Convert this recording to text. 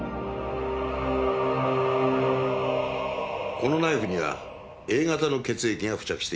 このナイフにはＡ型の血液が付着していた。